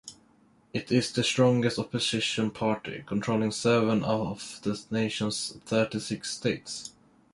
It is the strongest opposition party, controlling seven of the nation's thirty-six states.